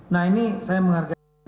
nah ini saya menghargai